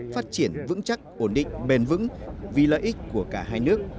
phát triển vững chắc ổn định bền vững vì lợi ích của cả hai nước